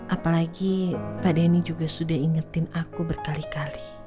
apalagi pak denny juga sudah ingetin aku berkali kali